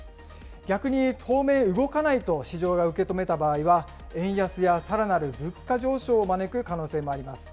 逆に、当面、動かないと市場が受け止めた場合は、円安やさらなる物価上昇を招く可能性もあります。